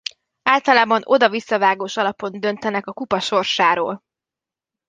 Általában oda-visszavágós alapon döntenek a kupa sorsáról.